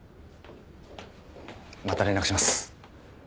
また連絡します。